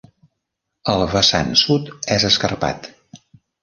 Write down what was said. El vessant sud és escarpat.